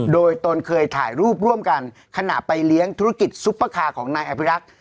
โดยตนเคยถ่ายรูปร่วมกันขณะไปเลี้ยงธุรกิจซุปเปอร์คาร์ของนายอภิรักษ์